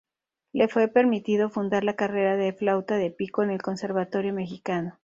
Le fue permitido fundar la carrera de flauta de pico en el conservatorio mexicano.